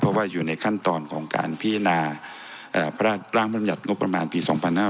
เพราะว่าอยู่ในขั้นตอนของการพินาพระราชร้างพรรมยัดงบประมาณปี๒๕๖๖